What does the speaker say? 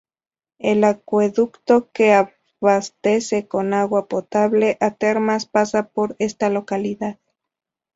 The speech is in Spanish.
El acueducto que abastece con agua potable a Termas pasa por esta localidad.